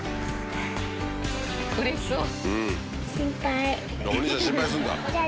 うれしそう。